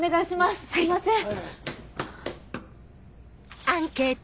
すいません。